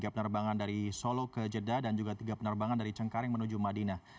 tiga penerbangan dari solo ke jeddah dan juga tiga penerbangan dari cengkaring menuju madinah